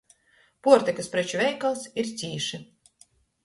Puortykys preču veikals ir cīši.